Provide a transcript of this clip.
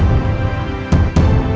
ada tersangkalan lagi ya